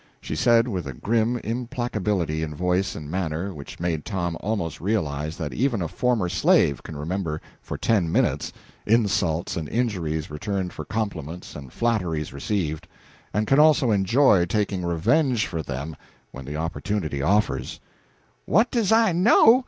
She said, with a grim implacability in voice and manner which made Tom almost realize that even a former slave can remember for ten minutes insults and injuries returned for compliments and flatteries received, and can also enjoy taking revenge for them when the opportunity offers: "What does I know?